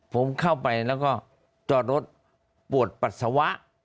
ผมเข้าไปแล้วก็จอดรถปวดปัสสาวะ